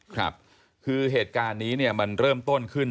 ครับคือเหตุการณ์นี้เนี่ยมันเริ่มต้นขึ้น